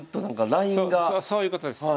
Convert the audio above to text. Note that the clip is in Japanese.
そういうことです。